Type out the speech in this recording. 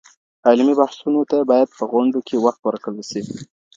علمي بحثونو ته باید په غونډو کي وخت ورکړل سي.